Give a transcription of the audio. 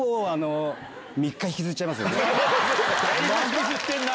だいぶ引きずってんな！